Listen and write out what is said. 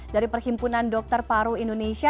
dari perhimpunan dokter paru indonesia